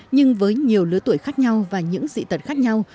nhưng với nhiều lứa tuổi khác nhau và những dị tật khác nhau